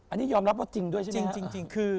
อันนี้ยอมรับว่าจริงด้วยใช่มั้ย